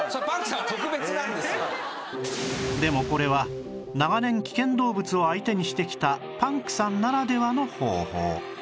でもこれは長年危険動物を相手にしてきたパンクさんならではの方法